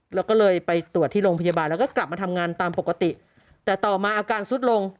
แล้วก็เลยไปตรวจที่โรงพยาบาลแล้วก็กลับมาทำงานตามปกติแต่ต่อมาอาการสุดลง